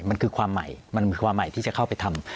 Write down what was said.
มันคือความใหม่มันมีความใหม่ที่จะเข้าไปทำ